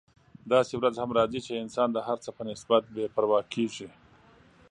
داسې ورځ هم راځي چې انسان د هر څه په نسبت بې پروا کیږي.